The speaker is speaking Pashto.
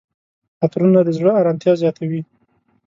عطرونه د زړه آرامتیا زیاتوي.